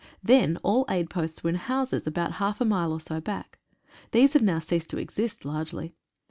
Then all aid posts were in houses about half a mile or so back. These have now ceased to exist largely.